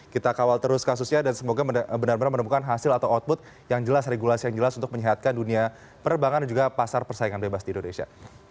kita kawal terus kasusnya dan semoga benar benar menemukan hasil atau output yang jelas regulasi yang jelas untuk menyehatkan dunia perbankan dan juga pasar persaingan bebas di indonesia